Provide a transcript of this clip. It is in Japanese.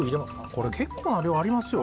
これ結構な量ありますよ。